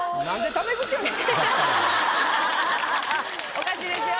おかしいですよ。